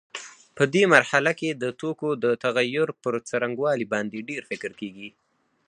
په دې مرحله کې د توکو د تغییر پر څرنګوالي باندې ډېر فکر کېږي.